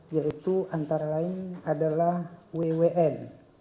yaitu antara lain adalah wwn